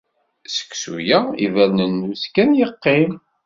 Seksu-ya, ibernunnez kan yeqqim